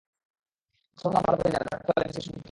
বার্সেলোনাও ভালো করেই জানে ধরে রাখতে হলে মেসিকে সুখী করতেই হবে।